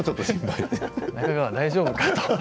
中川、大丈夫か？と。